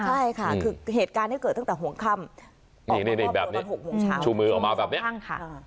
ใช่ค่ะคือเหตุการณ์นี้เกิดตั้งแต่ห่วงคำนี่นี่นี่แบบนี้ชูมือออกมาแบบเนี้ย